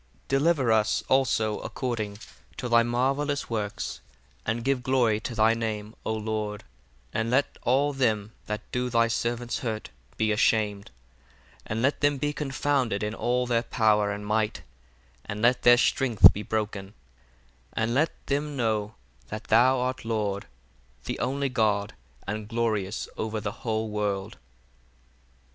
20 Deliver us also according to thy marvellous works, and give glory to thy name, O Lord: and let all them that do thy servants hurt be ashamed; 21 And let them be confounded in all their power and might, and let their strength be broken; 22 And let them know that thou art Lord, the only God, and glorious over the whole world.